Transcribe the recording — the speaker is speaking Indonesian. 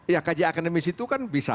ya kajian akademis itu kan bisa